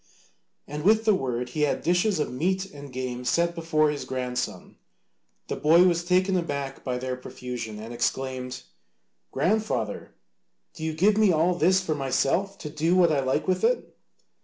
And with the word he had dishes of meat and game set before his grandson. The boy was taken aback by their profusion, and exclaimed, "Grandfather, do you give me all this for myself, to do what I like with it?"